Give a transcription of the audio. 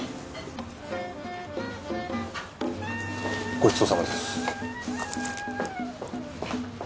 ごちそうさまです。